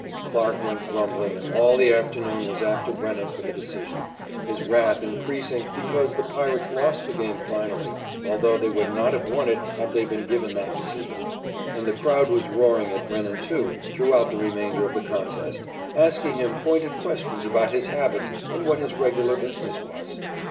Clarke went grumbling and all the afternoon was after Brennan for the decision, his wrath increasing because the Pirates lost the game finally, although they would not have won it had they been given that decision. And the crowd was roaring at Brennan, too, throughout the remainder of the contest, asking him pointed questions about his habits and what his regular business was.